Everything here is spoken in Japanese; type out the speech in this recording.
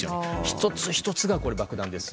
１つ１つが爆弾です。